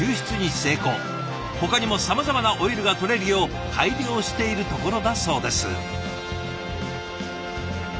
ほかにもさまざまなオイルがとれるよう改良しているところだそうです。